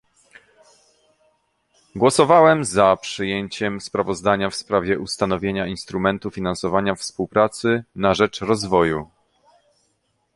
Głosowałem za przyjęciem sprawozdania w sprawie ustanowienia instrumentu finansowania współpracy na rzecz rozwoju